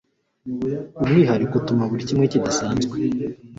umwihariko utuma buri kimwe kidasanzwe